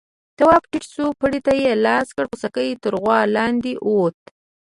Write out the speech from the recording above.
تواب ټيټ شو، پړي ته يې لاس کړ، خوسکی تر غوا لاندې ووت.